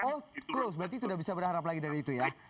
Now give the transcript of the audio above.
oh close berarti sudah bisa berharap lagi dari itu ya